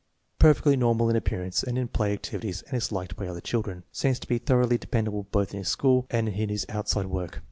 Perfectly normal in appear ance and in play activities and is liked by other children. Seems to be thoroughly dependable both in school and in his outside work.